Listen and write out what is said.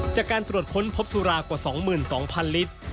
จากการตรวจค้นพบสุรากว่า๒๒๐๐ลิตร